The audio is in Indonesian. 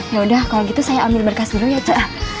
yaudah kalau gitu saya ambil berkas dulu ya ce